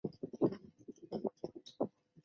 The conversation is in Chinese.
地下车站是指月台位于地面以下的车站。